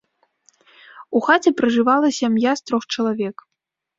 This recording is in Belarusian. У хаце пражывала сям'я з трох чалавек.